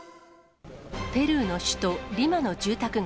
ペルーの首都リマの住宅街。